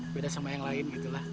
beda sama yang lain gitu lah